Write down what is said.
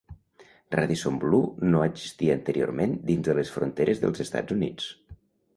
Radisson Blu no existia anteriorment dins de les fronteres dels Estats Units.